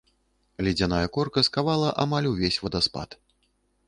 Ледзяная корка скавала амаль увесь вадаспад.